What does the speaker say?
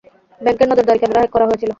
ব্যাংকের নজরদারী camera hack করা হয়েছিলো।